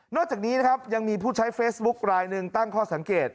จากนี้นะครับยังมีผู้ใช้เฟซบุ๊คลายหนึ่งตั้งข้อสังเกต